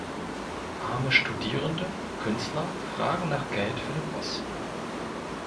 Arme Studierende/Künstler fragen nach Geld für den Bus.